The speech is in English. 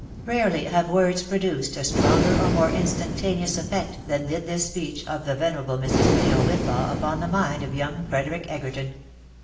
Rarely have words produced a stronger or more instantaneous effect than did this speech of the venerable Mrs. Clio Whitlaw upon the mind of young Frederic Egerton.